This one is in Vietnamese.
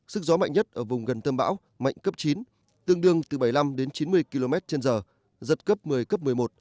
sức gió mạnh nhất ở vùng gần tâm bão mạnh cấp chín tương đương từ bảy mươi năm đến chín mươi km trên giờ giật cấp một mươi cấp một mươi một